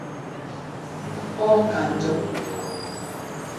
ọ ka njọ